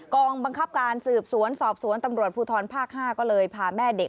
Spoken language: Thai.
กองบังคับการสืบสวนสอบสวนตำรวจภูทรภาค๕ก็เลยพาแม่เด็ก